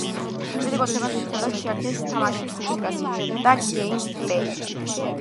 კრიტიკოსებმა ძირითადად შეაქეს თამაშის მუსიკა, სიუჟეტი და გეიმპლეი.